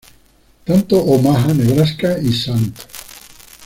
Tanto Omaha, Nebraska y St.